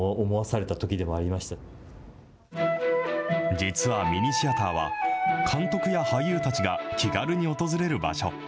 実はミニシアターは、監督や俳優たちが気軽に訪れる場所。